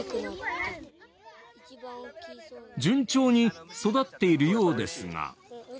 順調に育っているようですが。